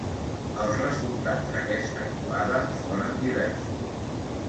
Els resultats d'aquesta croada foren diversos.